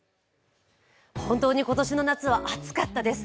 本当に今年の夏は、暑かったです。